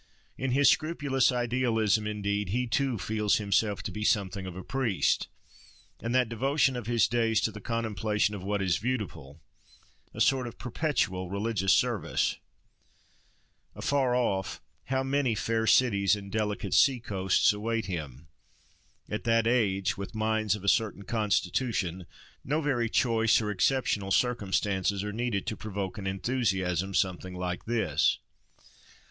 In his scrupulous idealism, indeed, he too feels himself to be something of a priest, and that devotion of his days to the contemplation of what is beautiful, a sort of perpetual religious service. Afar off, how many fair cities and delicate sea coasts await him! At that age, with minds of a certain constitution, no very choice or exceptional circumstances are needed to provoke an enthusiasm something like this.